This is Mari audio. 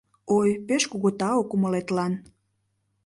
— Ой, пеш кугу тау кумылетлан.